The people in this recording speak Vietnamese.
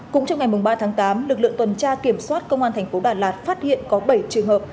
cũng trong ngày ba tháng tám lực lượng tuần tra kiểm soát công an thành phố đà lạt phát hiện có bảy trường hợp